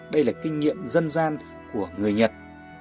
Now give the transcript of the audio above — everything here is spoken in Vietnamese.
đây là kinh nghiệm dân gian của người nhật